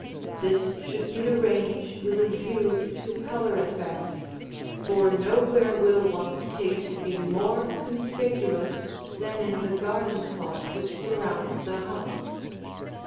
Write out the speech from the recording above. This should be arranged with a view to color effects, for nowhere will one's taste be more conspicuous than in the garden plot which surrounds the house.